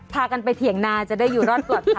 พากันไปเถียงนาจะได้อยู่รอดปลอดภัย